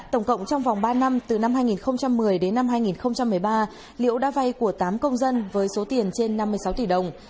tổng cộng trong vòng ba năm từ năm hai nghìn một mươi đến năm hai nghìn một mươi ba liễu đã vay của tám công dân với số tiền trên năm mươi sáu tỷ đồng